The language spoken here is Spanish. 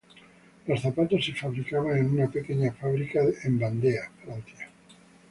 Los zapatos se fabricaban en una pequeña fábrica en Vandea, Francia.